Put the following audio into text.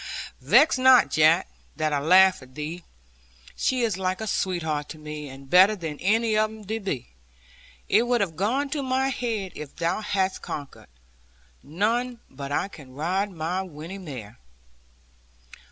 Vex not, Jack, that I laugh at thee. She is like a sweetheart to me, and better, than any of them be. It would have gone to my heart if thou hadst conquered. None but I can ride my Winnie mare.'